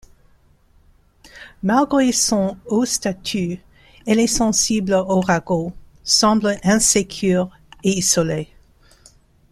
Malgré son haut statut, elle est sensible aux ragots, semble insécure et isolée.